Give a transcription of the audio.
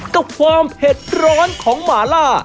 กับความเผ็ดร้อนของหมาล่า